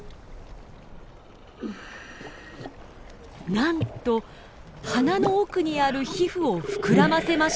なんと鼻の奥にある皮膚を膨らませました。